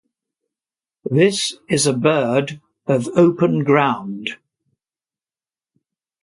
This is a bird of open ground.